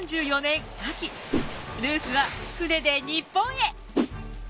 ルースは船で日本へ。